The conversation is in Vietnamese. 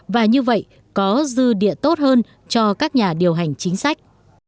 và như vậy có dư địa tốt hơn cho các nhà điều hành chính sách